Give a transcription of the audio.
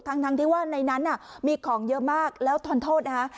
ทั้งที่ว่าในนั้นมีของเยอะมากแล้วทอนโทษนะคะ